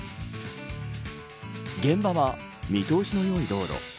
現場は見通しのよい道路。